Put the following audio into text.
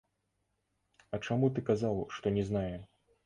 А чаму ты казаў, што не знаю?